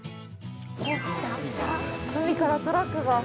海からトラックが。